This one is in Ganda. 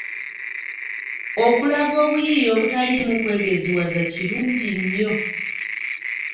Okulaga obuyiiya obutaliimu kwegeziwaza kirungi nnyo.